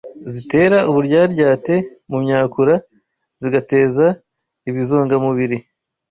Zitera uburyaryate mu myakura, zigateza ibizongamubiri